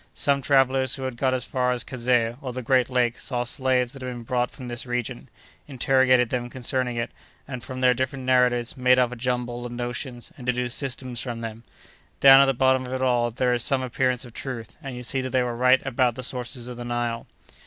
Some travellers, who had got as far as Kazeh, or the great lakes, saw slaves that had been brought from this region; interrogated them concerning it, and, from their different narratives, made up a jumble of notions, and deduced systems from them. Down at the bottom of it all there is some appearance of truth; and you see that they were right about the sources of the Nile."